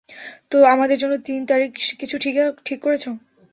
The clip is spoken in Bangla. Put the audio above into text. তো, আমাদের জন্য দিন তারিখ কিছু ঠিক করেছ?